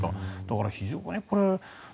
だからこれ、非常に。